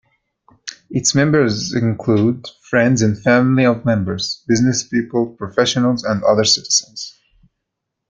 Its members include friends and family of members, businesspeople, professionals, and other citizens.